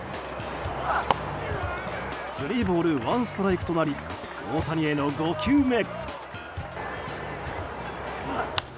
スリーボールワンストライクとなり大谷への５球目。